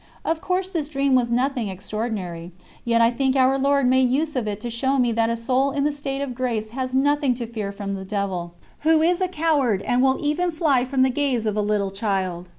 Of course this dream was nothing extraordinary; yet I think Our Lord made use of it to show me that a soul in the state of grace has nothing to fear from the devil, who is a coward, and will even fly from the gaze of a little child.